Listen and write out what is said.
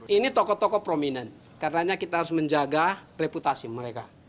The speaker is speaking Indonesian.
ini tokoh tokoh prominent karena kita harus menjaga reputasi mereka